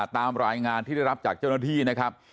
ตามรายงานที่ได้รับจากเจ้าหน้าที่นะครับ